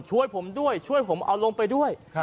ช่วยผมด้วยช่วยผมเอาลงไปด้วย